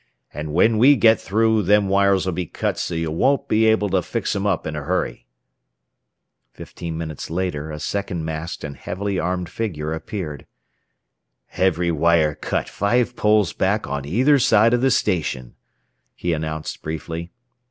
"And when we get through, them wires'll be cut so you won't be able to fix 'em up in a hurry." Fifteen minutes later a second masked and heavily armed figure appeared. "Every wire cut five poles back on either side of the station," he announced briefly.